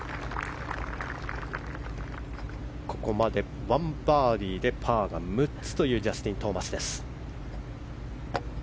ここまで１バーディーでパーが６つというジャスティン・トーマスです。